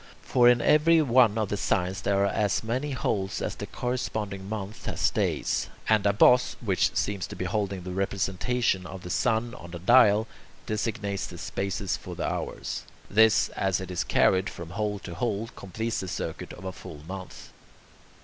For in every one of the signs there are as many holes as the corresponding month has days, and a boss, which seems to be holding the representation of the sun on a dial, designates the spaces for the hours. This, as it is carried from hole to hole, completes the circuit of a full month.